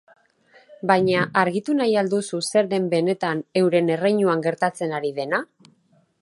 Baina argitu nahi al duzu zer den benetan euren erreinuan gertatzen ari dena?